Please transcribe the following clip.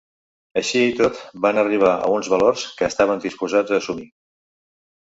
Així i tot, van arribar a uns valors que estaven disposats a assumir.